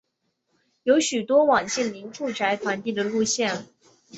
有许多网近邻住宅团地的路线。